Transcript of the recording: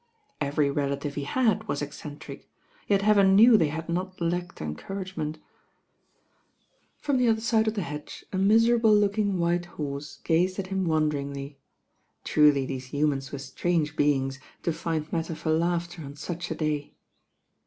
Every relative he had was eccentric; yet heaven knew diey had not ladced encouragement I From the other side of the hedge a miserable THE ROAD TO NOWHERE ]§ looking white hone gazed it him wonderingly. Truly these humant were strange beings to find mat ter for laughter on such a day.